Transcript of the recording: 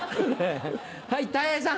はいたい平さん。